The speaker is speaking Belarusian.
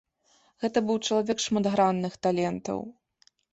Гэта быў чалавек шматгранных талентаў.